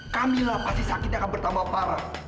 kamilah pasti sakitnya akan bertambah parah